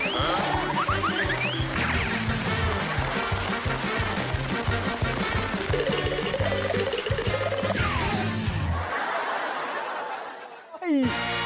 นั่นแหละเหรอวะ